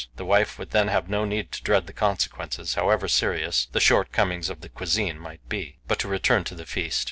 The wife would then have no need to dread the consequences, however serious the shortcomings of the cuisine might be. But to return to the feast.